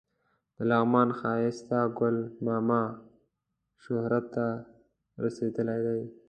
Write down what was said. د لغمان ښایسته ګل ماما شهرت ته رسېدلی دی.